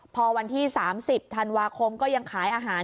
พอวันที่๓๐ธันวาคมก็ยังขายอาหาร